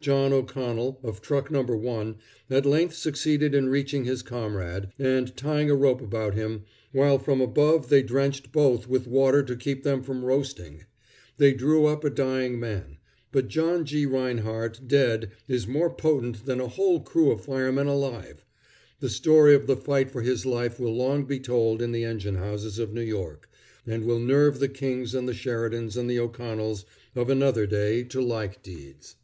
John O'Connell, of Truck No. 1, at length succeeded in reaching his comrade and tying a rope about him, while from above they drenched both with water to keep them from roasting. They drew up a dying man; but John G. Reinhardt dead is more potent than a whole crew of firemen alive. The story of the fight for his life will long be told in the engine houses of New York, and will nerve the Kings and the Sheridans and the O'Connells of another day to like deeds.